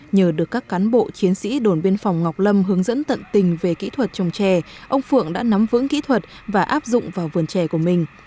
nhờ được các cán bộ chiến sĩ đồn biên phòng ngọc lâm hướng dẫn tận tình về kỹ thuật trồng trè ông phượng đã nắm vững kỹ thuật và áp dụng vào vườn trè của mình